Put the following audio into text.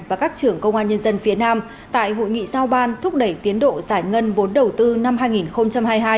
và các trưởng công an nhân dân phía nam tại hội nghị giao ban thúc đẩy tiến độ giải ngân vốn đầu tư năm hai nghìn hai mươi hai